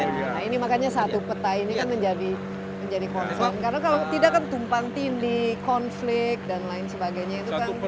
nah ini makanya satu peta ini kan menjadi concern karena kalau tidak kan tumpang tindih konflik dan lain sebagainya itu kan